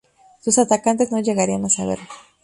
Sus atacantes no llegarían a saberlo.